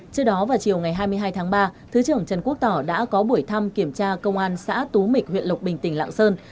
trước đó vào chiều ngày hai mươi hai tháng ba thứ trưởng trần quốc tỏ đã có buổi thăm kiểm tra công an xã tú mịch huyện lộc bình tỉnh lạng sơn